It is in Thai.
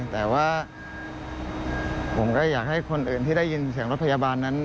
แต่ว่าผมก็อยากให้คนอื่นที่ได้ยินเสียงรถพยาบาลนั้น